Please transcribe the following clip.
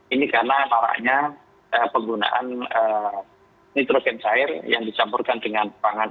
ini karena maraknya penggunaan nitrogen cair yang dicampurkan dengan pangan